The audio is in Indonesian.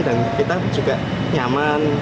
dan kita juga nyaman